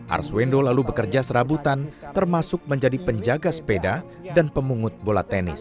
arswendo lalu bekerja serabutan termasuk menjadi penjaga sepeda dan pemungut bola tenis